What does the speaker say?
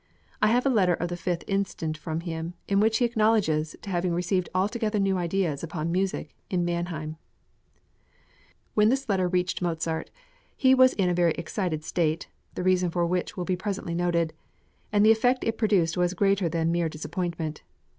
I have a letter of the 5th inst. from him, in which he acknowledges to having received altogether new ideas upon music in Mannheim. {OVERTURES FROM THE ARCHBISHOP.} (407) When this letter reached Mozart he was in a very excited state (the reason for which will be presently noted), and the effect it produced was greater than mere disappointment.